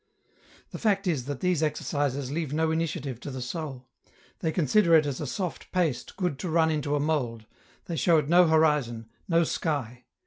The fact is that these exercises leave no initiative to the soul ; they consider it as a soft paste good to run into a mould ; they show it no horizon, no sky.